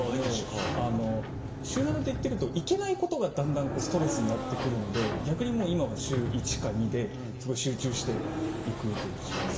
週７で行ってると行けないことがだんだんストレスになってくるので逆に今は週１か２で集中していくというか。